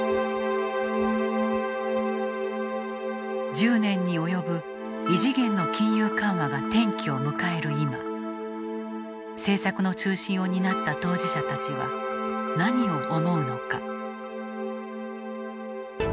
１０年に及ぶ異次元の金融緩和が転機を迎える今政策の中心を担った当事者たちは何を思うのか。